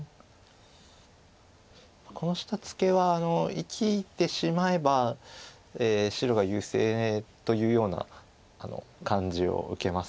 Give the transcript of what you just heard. この下ツケは生きてしまえば白が優勢というような感じを受けます。